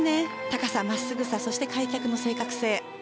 高さ、真っすぐさ開脚の正確性。